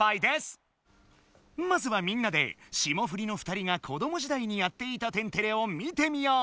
まずはみんなで霜降りの２人が子ども時代にやっていた「天てれ」を見てみよう。